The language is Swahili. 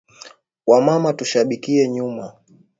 Wa mama tushibakiye nyuma